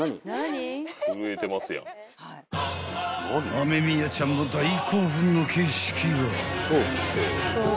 ［雨宮ちゃんも大興奮の景色が］